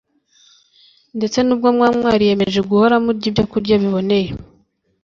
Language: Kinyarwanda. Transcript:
ndetse nubwo mwaba mwariyemeje guhora murya ibyokurya biboneye